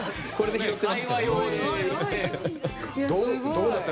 どうだった？